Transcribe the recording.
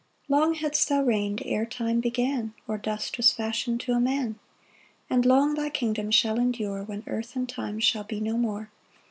2 Long hadst thou reign'd ere time began, Or dust was fashion'd to a man; And long thy kingdom shall endure When earth and time shall be no more.